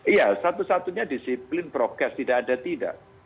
iya satu satunya disiplin prokes tidak ada tidak